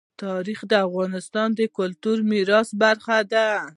تاریخ د افغانستان د کلتوري میراث برخه ده.